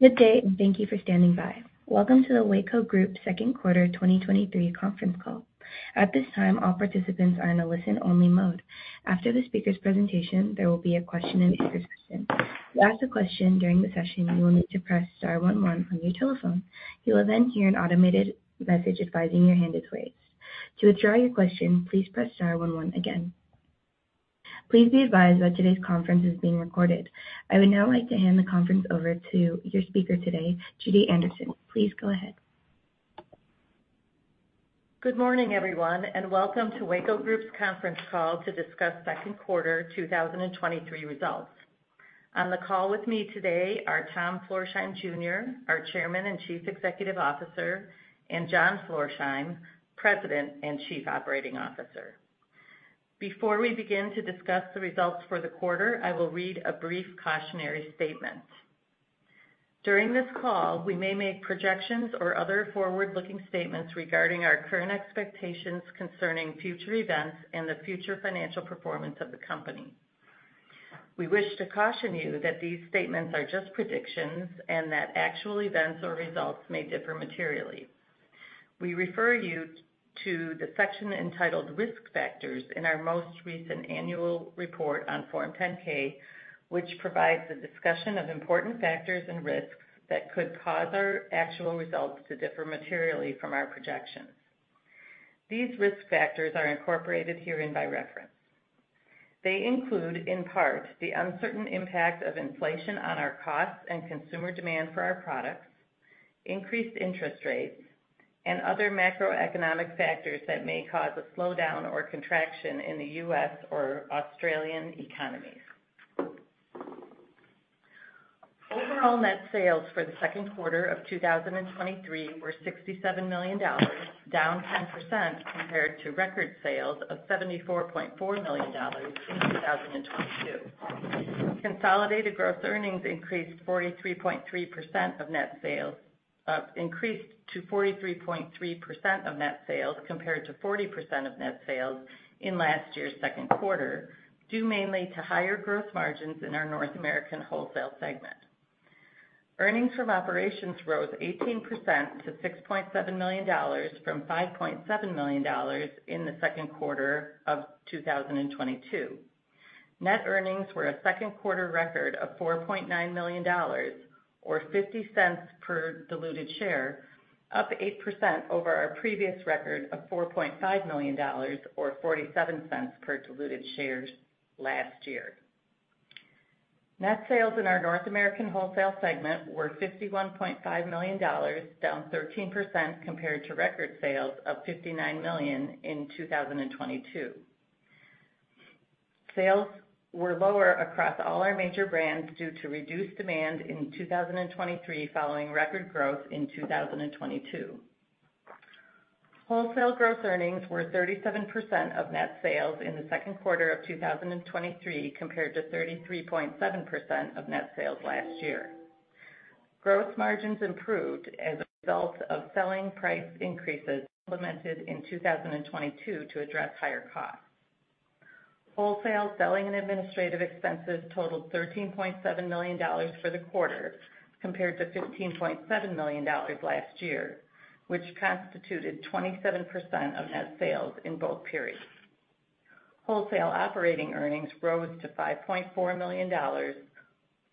Good day. Thank you for standing by. Welcome to the Weyco Group second quarter 2023 conference call. At this time, all participants are in a listen-only mode. After the speaker's presentation, there will be a question-and-answer session. To ask a question during the session, you will need to press star one one on your telephone. You will then hear an automated message advising your hand is raised. To withdraw your question, please press star one one again. Please be advised that today's conference is being recorded. I would now like to hand the conference over to your speaker today, Judy Anderson. Please go ahead. Good morning, everyone, welcome to Weyco Group's conference call to discuss second quarter 2023 results. On the call with me today are Tom Florsheim Jr, our Chairman and Chief Executive Officer, and John Florsheim, President and Chief Operating Officer. Before we begin to discuss the results for the quarter, I will read a brief cautionary statement. During this call, we may make projections or other forward-looking statements regarding our current expectations concerning future events and the future financial performance of the company. We wish to caution you that these statements are just predictions and that actual events or results may differ materially. We refer you to the section entitled Risk Factors in our most recent annual report on Form 10-K, which provides a discussion of important factors and risks that could cause our actual results to differ materially from our projections. These risk factors are incorporated herein by reference. They include, in part, the uncertain impact of inflation on our costs and consumer demand for our products, increased interest rates, and other macroeconomic factors that may cause a slowdown or contraction in the U.S. or Australian economies. Overall net sales for the second quarter of 2023 were $67 million, down 10% compared to record sales of $74.4 million in 2022. Consolidated gross earnings increased to 43.3% of net sales, compared to 40% of net sales in last year's second quarter, due mainly to higher gross margins in our North American wholesale segment. Earnings from operations rose 18% to $6.7 million from $5.7 million in the second quarter of 2022. Net earnings were a second quarter record of $4.9 million, or $0.50 per diluted share, up 8% over our previous record of $4.5 million, or $0.47 per diluted share last year. Net sales in our North American wholesale segment were $51.5 million, down 13% compared to record sales of $59 million in 2022. Sales were lower across all our major brands due to reduced demand in 2023, following record growth in 2022. Wholesale gross earnings were 37% of net sales in the second quarter of 2023, compared to 33.7% of net sales last year. Growth margins improved as a result of selling price increases implemented in 2022 to address higher costs. Wholesale selling and administrative expenses totaled $13.7 million for the quarter, compared to $15.7 million last year, which constituted 27% of net sales in both periods. Wholesale operating earnings rose to $5.4 million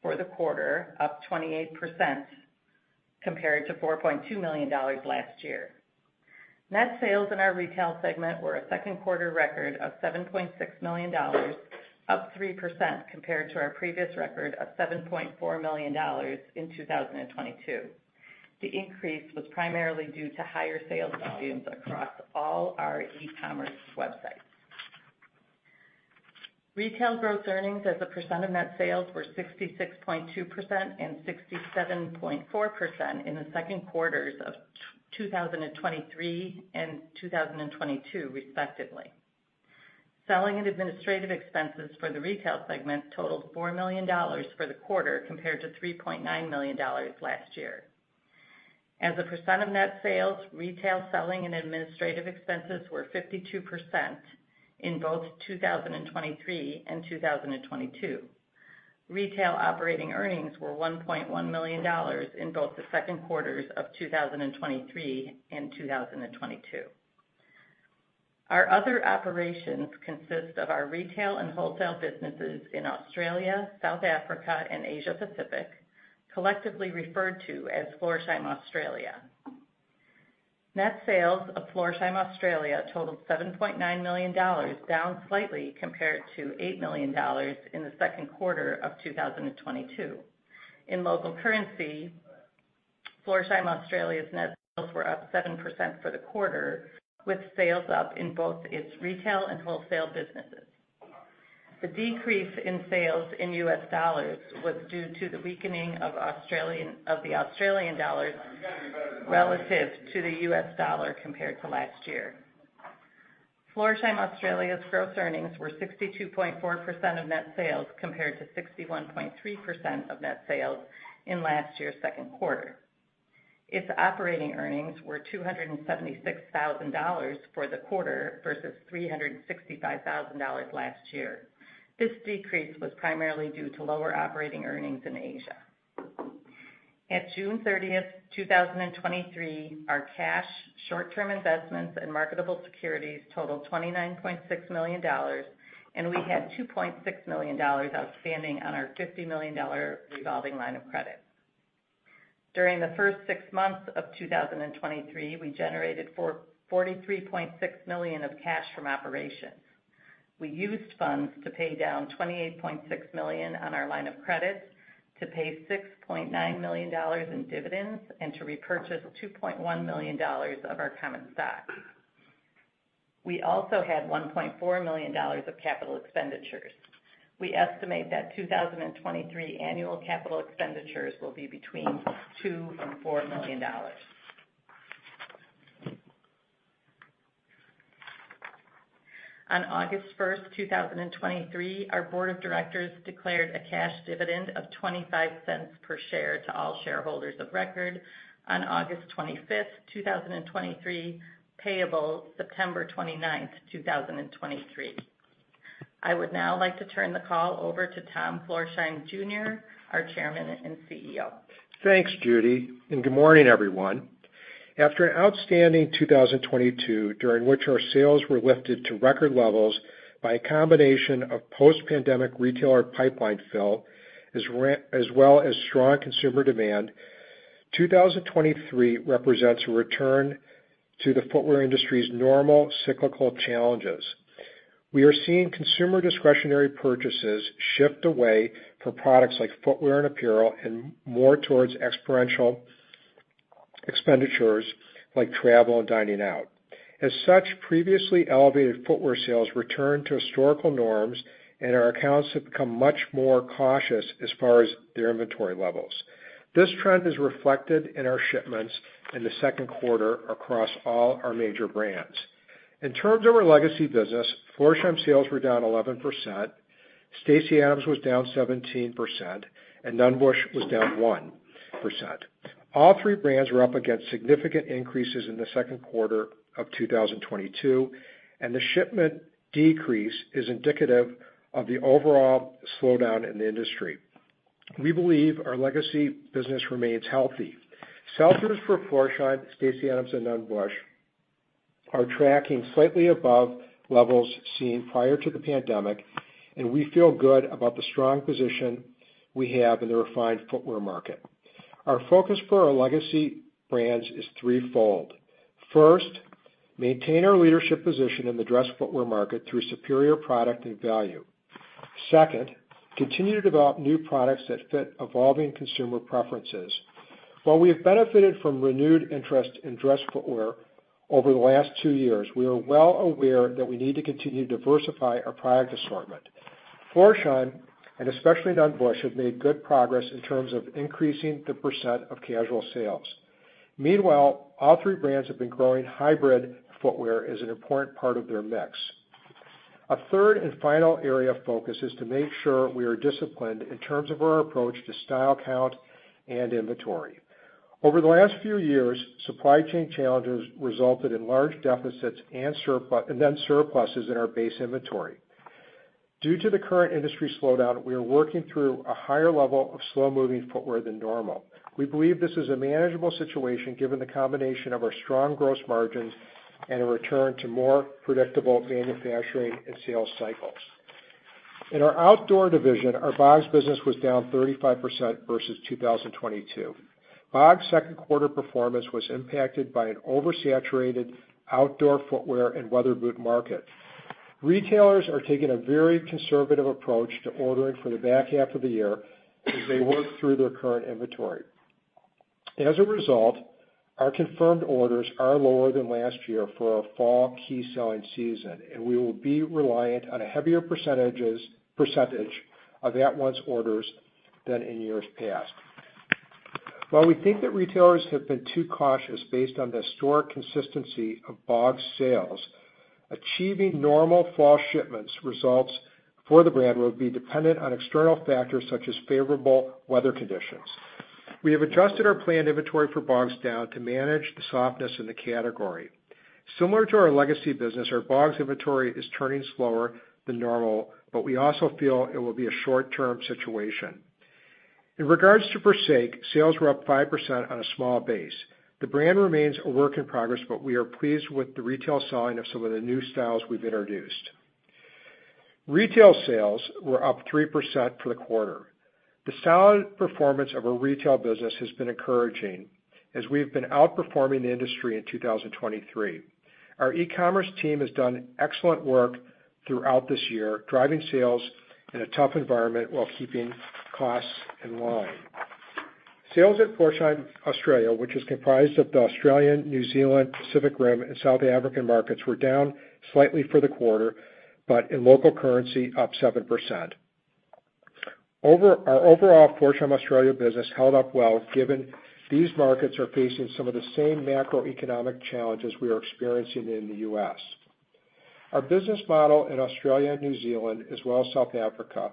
for the quarter, up 28%, compared to $4.2 million last year. Net sales in our retail segment were a second quarter record of $7.6 million, up 3% compared to our previous record of $7.4 million in 2022. The increase was primarily due to higher sales volumes across all our e-commerce websites. Retail gross earnings as a percent of net sales were 66.2% and 67.4% in the second quarters of 2023 and 2022, respectively. Selling and administrative expenses for the retail segment totaled $4 million for the quarter, compared to $3.9 million last year. As a percent of net sales, retail selling and administrative expenses were 52% in both 2023 and 2022. Retail operating earnings were $1.1 million in both the second quarters of 2023 and 2022. Our other operations consist of our retail and wholesale businesses in Australia, South Africa, and Asia Pacific, collectively referred to as Florsheim Australia. Net sales of Florsheim Australia totaled $7.9 million, down slightly compared to $8 million in the second quarter of 2022. In local currency, Florsheim Australia's net sales were up 7% for the quarter, with sales up in both its retail and wholesale businesses. The decrease in sales in US dollars was due to the weakening of the Australian dollar relative to the US dollar compared to last year. Florsheim Australia's gross earnings were 62.4% of net sales, compared to 61.3% of net sales in last year's second quarter. Its operating earnings were $276,000 for the quarter versus $365,000 last year. This decrease was primarily due to lower operating earnings in Asia. At June 30, 2023, our cash, short-term investments and marketable securities totaled $29.6 million, and we had $2.6 million outstanding on our $50 million revolving line of credit. During the first 6 months of 2023, we generated $43.6 million of cash from operations. We used funds to pay down $28.6 million on our line of credit, to pay $6.9 million in dividends, and to repurchase $2.1 million of our common stock. We also had $1.4 million of capital expenditures. We estimate that 2023 annual capital expenditures will be between $2 million and $4 million. On August 1st, 2023, our board of directors declared a cash dividend of $0.25 per share to all shareholders of record on August 25th, 2023, payable September 29th, 2023. I would now like to turn the call over to Tom Florsheim Jr, our Chairman and CEO. Thanks, Judy, good morning, everyone. After an outstanding 2022, during which our sales were lifted to record levels by a combination of post-pandemic retailer pipeline fill, as well as strong consumer demand, 2023 represents a return to the footwear industry's normal cyclical challenges. We are seeing consumer discretionary purchases shift away from products like footwear and apparel and more towards experiential expenditures like travel and dining out. As such, previously elevated footwear sales return to historical norms, and our accounts have become much more cautious as far as their inventory levels. This trend is reflected in our shipments in the second quarter across all our major brands. In terms of our legacy business, Florsheim sales were down 11%, Stacy Adams was down 17%, and Nunn Bush was down 1%. All three brands were up against significant increases in the second quarter of 2022. The shipment decrease is indicative of the overall slowdown in the industry. We believe our legacy business remains healthy. Sales for Florsheim, Stacy Adams, and Nunn Bush are tracking slightly above levels seen prior to the pandemic, and we feel good about the strong position we have in the refined footwear market. Our focus for our legacy brands is threefold. First, maintain our leadership position in the dress footwear market through superior product and value. Second, continue to develop new products that fit evolving consumer preferences. While we have benefited from renewed interest in dress footwear over the last two years, we are well aware that we need to continue to diversify our product assortment. Florsheim, and especially Nunn Bush, have made good progress in terms of increasing the % of casual sales. Meanwhile, all three brands have been growing hybrid footwear as an important part of their mix. A third and final area of focus is to make sure we are disciplined in terms of our approach to style, count, and inventory. Over the last few years, supply chain challenges resulted in large deficits and surpluses in our base inventory. Due to the current industry slowdown, we are working through a higher level of slow-moving footwear than normal. We believe this is a manageable situation, given the combination of our strong gross margins and a return to more predictable manufacturing and sales cycles. In our outdoor division, our Bogs business was down 35% versus 2022. Bogs' second quarter performance was impacted by an oversaturated outdoor footwear and weather boot market. Retailers are taking a very conservative approach to ordering for the back half of the year as they work through their current inventory. As a result, our confirmed orders are lower than last year for our fall key selling season, and we will be reliant on a heavier percentage of at-once orders than in years past. While we think that retailers have been too cautious based on the historic consistency of Bogs sales, achieving normal fall shipments results for the brand will be dependent on external factors such as favorable weather conditions. We have adjusted our planned inventory for Bogs down to manage the softness in the category. Similar to our legacy business, our Bogs inventory is turning slower than normal, but we also feel it will be a short-term situation. In regards to Forsake, sales were up 5% on a small base. The brand remains a work in progress, but we are pleased with the retail selling of some of the new styles we've introduced. Retail sales were up 3% for the quarter. The solid performance of our retail business has been encouraging as we've been outperforming the industry in 2023. Our e-commerce team has done excellent work throughout this year, driving sales in a tough environment while keeping costs in line. Sales at Florsheim Australia, which is comprised of the Australian, New Zealand, Pacific Rim, and South African markets, were down slightly for the quarter, but in local currency, up 7%. Our overall Florsheim Australia business held up well, given these markets are facing some of the same macroeconomic challenges we are experiencing in the US. Our business model in Australia and New Zealand, as well as South Africa,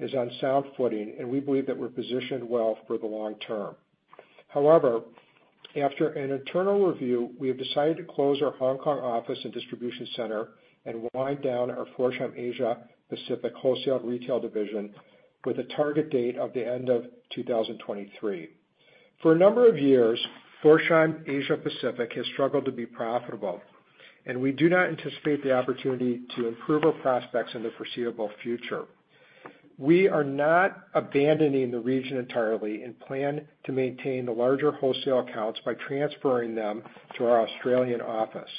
is on sound footing, and we believe that we're positioned well for the long term. However, after an internal review, we have decided to close our Hong Kong office and distribution center and wind down our Florsheim Asia Pacific Wholesale and Retail division with a target date of the end of 2023. For a number of years, Florsheim Asia Pacific has struggled to be profitable, and we do not anticipate the opportunity to improve our prospects in the foreseeable future. We are not abandoning the region entirely and plan to maintain the larger wholesale accounts by transferring them to our Australian office.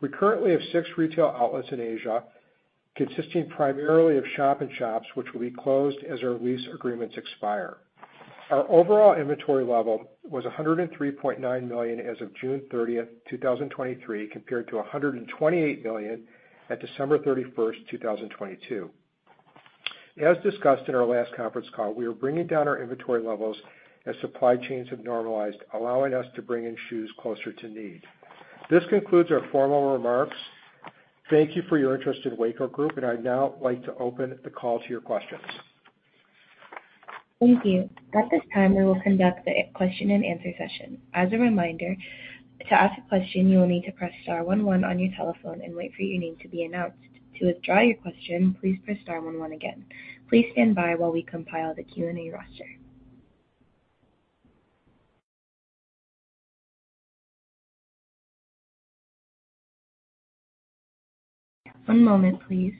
We currently have 6 retail outlets in Asia, consisting primarily of shop-in-shops, which will be closed as our lease agreements expire. Our overall inventory level was $103.9 million as of June 30, 2023, compared to $128 million at December 31, 2022. As discussed in our last conference call, we are bringing down our inventory levels as supply chains have normalized, allowing us to bring in shoes closer to need. This concludes our formal remarks. Thank you for your interest in Weyco Group, and I'd now like to open the call to your questions. Thank you. At this time, we will conduct the question-and-answer session. As a reminder, to ask a question, you will need to press star one one on your telephone and wait for your name to be announced. To withdraw your question, please press star one one again. Please stand by while we compile the Q&A roster. One moment, please.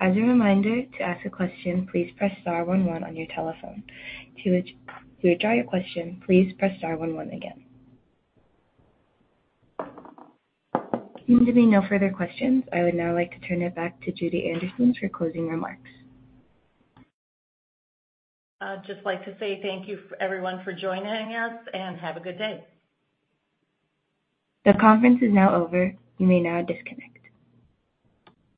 As a reminder, to ask a question, please press star one one on your telephone. To withdraw your question, please press star one one again. Seeming to be no further questions, I would now like to turn it back to Judy Anderson for closing remarks. I'd just like to say thank you everyone for joining us, and have a good day. The conference is now over. You may now disconnect.